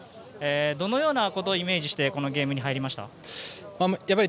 どのようなことをイメージしてこのゲームに入りましたか？